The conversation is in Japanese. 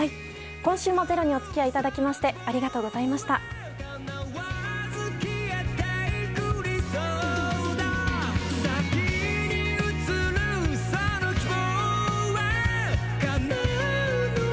今週も「ｚｅｒｏ」にお付き合いいただきましてありがとうございました。